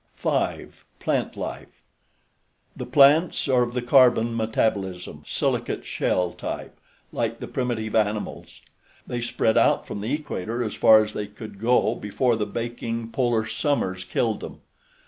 5. PLANT LIFE The plants are of the carbon metabolism, silicate shell type, like the primitive animals. They spread out from the equator as far as they could go before the baking polar summers killed them.